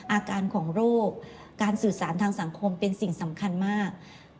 อาการของโรคการสื่อสารทางสังคมเป็นสิ่งสำคัญมาก